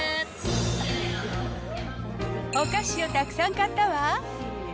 お菓子をたくさん買ったわ。